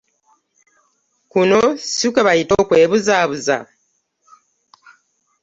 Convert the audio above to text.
Kuno si kwe bayita okwebuzaabuza?